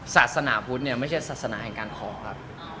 ศาสนาพุทธเนี่ยไม่ใช่ศาสนาแห่งการขอครับ